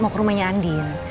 mau ke rumahnya andin